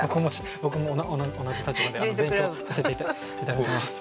僕も同じ立場で勉強させて頂いてます。